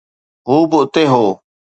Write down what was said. هو به اتي هو